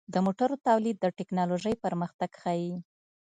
د موټرو تولید د ټکنالوژۍ پرمختګ ښيي.